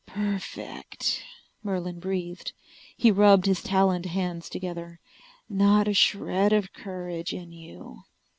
"Perfect," Merlin breathed. He rubbed his taloned hands together. "Not a shred of courage in you."